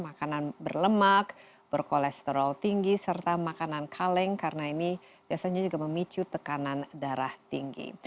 makanan berlemak berkolesterol tinggi serta makanan kaleng karena ini biasanya juga memicu tekanan darah tinggi